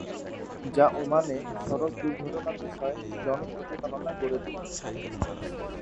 যা ওমানে সড়ক দুর্ঘটনা বিষয় জনসচেতনতা গড়ে তুলে।